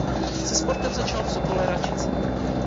Se sportem začal v Sokole Račice.